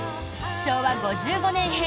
昭和５５年編。